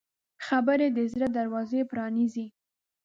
خبرې د زړه دروازه پرانیزي